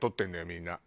みんな。